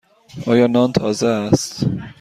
آیا نان تازه است؟